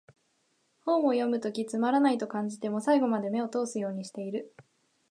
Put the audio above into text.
本を読むときつまらないと感じても、最後まで目を通すようにしてる